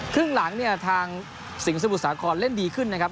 ครึ่งหลังเนี่ยทางสิงห์สมุทรสาครเล่นดีขึ้นนะครับ